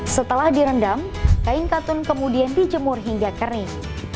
setelah direndam kain katun kemudian dijemur hingga kering